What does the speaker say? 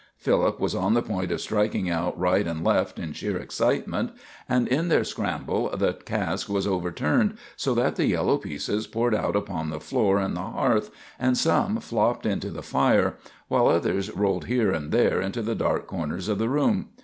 Philip was on the point of striking out right and left in sheer excitement; and in their scramble the cask was overturned so that the yellow pieces poured out upon the floor and the hearth, and some flopped into the fire, while others rolled here and there into the dark corners of the room.